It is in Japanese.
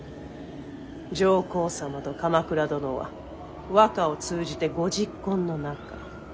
上皇様と鎌倉殿は和歌を通じてごじっこんの仲。